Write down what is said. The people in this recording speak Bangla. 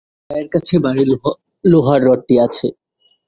তার পায়ের কাছে ভারি লোহার রডটি আছে।